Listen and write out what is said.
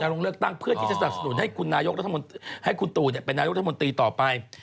จะลงเลือกตั้งเพื่อที่จะสนับสนุนให้คุณตูนเป็นนายกรัฐมนตรีต่อไป